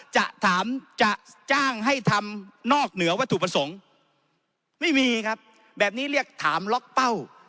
จะถามจะจ้างให้ทำนอกเหนือวัตถุประสงค์ไม่มีครับแบบนี้เรียกถามล็อกเป้า